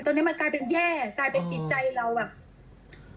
ตอนนี้มันกลายเป็นแย่กลายเป็นจิตใจเราแบบ